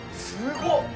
すごい！